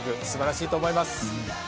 素晴らしいと思います。